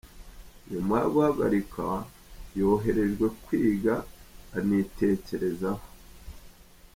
Nyuma yo guhagarikwa yoherejwe kwiga, anitekerezaho